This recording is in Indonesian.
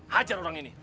hajar orang ini